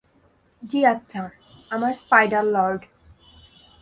জ্বি আচ্ছা, আমার স্পাইডার-লর্ড।